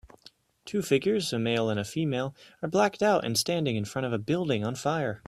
Two figures a male and a female are blacked out and standing in front of a building on fire